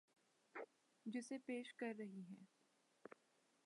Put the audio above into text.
جسے پیش کر رہی ہیں